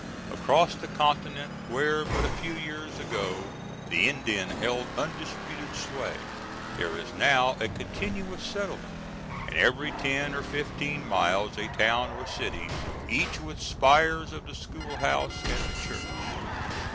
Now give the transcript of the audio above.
Across the continent where but a few years ago the Indian held undisputed sway, there is now a continuous settlement, and every ten or fifteen miles a town or city, each with spires of the school house and the church.